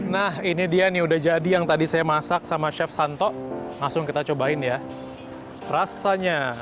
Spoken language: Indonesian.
nah ini dia nih udah jadi yang tadi saya masak sama chef santo langsung kita cobain ya rasanya